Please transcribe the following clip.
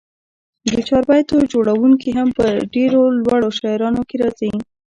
د چاربیتو جوړوونکي هم په ډېرو لوړو شاعرانو کښي راځي.